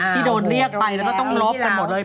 ที่โดนเรียกไปแล้วก็ต้องลบกันหมดเลย